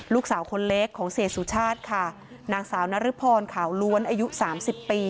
ลูกสาวคนเล็กของเสียสุชาติค่ะนางสาวนรพรขาวล้วนอายุสามสิบปี